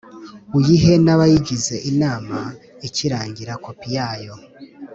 Uyihe n’abayigize inama ikirangira kopi yayo